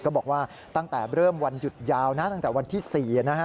ก็บอกว่าตั้งแต่เริ่มวันหยุดยาวนะตั้งแต่วันที่๔นะฮะ